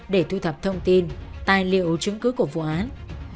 để thu thập thông tin tài liệu chứng cứ của vụ án